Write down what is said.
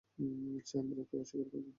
সে Andrea, কে অস্বীকার করবে?